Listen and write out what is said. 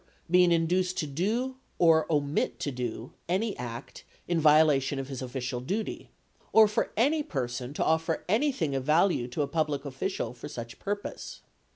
. being in duced to do or omit to do any act in violation of his official duty" or for any person to offer anything of value to a public official for such pur pose.